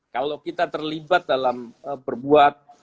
kalau kita terlibat dalam berbuat